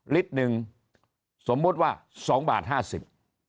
ลิตรหนึ่งสมมุติว่าสองบาทห้าสิบ